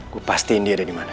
gue pastiin dia ada dimana